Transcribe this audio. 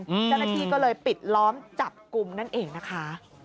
เจ้าหน้าที่ก็เลยปิดล้อมจับกลุ่มนั่นเองนะคะ